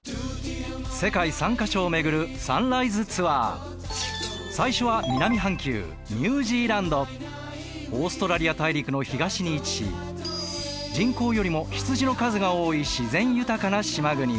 世界３か所を巡るサンライズツアー最初は南半球オーストラリア大陸の東に位置し人口よりも羊の数が多い自然豊かな島国。